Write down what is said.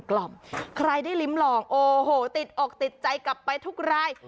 กล่อมใครได้ลิ้มลองโอ้โหติดอกติดใจกลับไปทุกราย